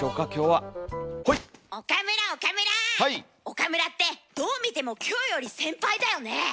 岡村ってどう見てもキョエより先輩だよね？